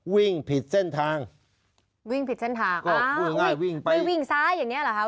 วิ่งผิดเส้นทางวิ่งผิดเส้นทางอ่าวิ่งซ้ายอย่างเนี้ยเหรอฮะ